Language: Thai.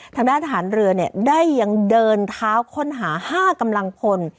ทางด้านทหารเรือได้ยังเดินเท้าค้นหา๕กำลังพล